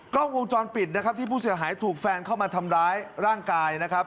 กล้องวงจรปิดนะครับที่ผู้เสียหายถูกแฟนเข้ามาทำร้ายร่างกายนะครับ